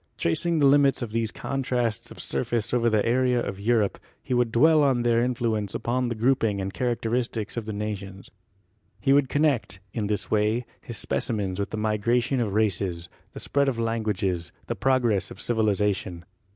Tracing the lim its of these contrasts of surface over the area of Europe, he would dwell on their influence upon the grouping and characteristics of the nations. He would connect, in this way, his specimens with the migration of races, the spread of languages, the progress of civilization.